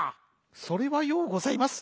「それはようございます。